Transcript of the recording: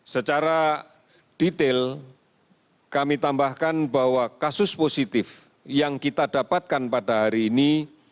secara detail kami tambahkan bahwa kasus positif yang kita dapatkan pada hari ini